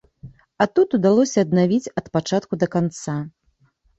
А тут удалося аднавіць ад пачатку да канца.